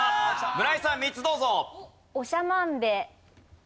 村井さん３つどうぞ。